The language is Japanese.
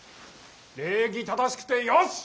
礼儀正しくてよし！